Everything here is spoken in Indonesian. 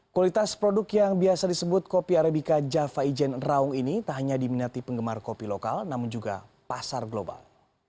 kualitas produk yang biasa disebut kopi arabica java ijen raung ini tak hanya diminati penggemar kopi lokal namun juga pasar global